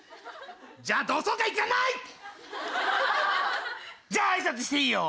じゃあ同窓会行かない！じゃああいさつしていいよ！